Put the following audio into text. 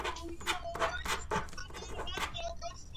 მიეკუთვნება წყნარ ოკეანეს.